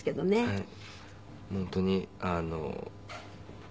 はい。